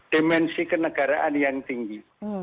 demensi kenegaraan yang tinggi